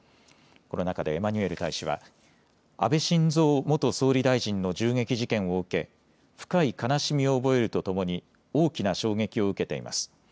この中でエマニュエル大使は安倍晋三元総理大臣の銃撃事件を受け、深い悲しみを覚えるとともに大きな衝撃を受けています。